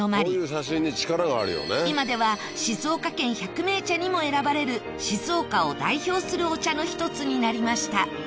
今では静岡県１００銘茶にも選ばれる静岡を代表するお茶の一つになりました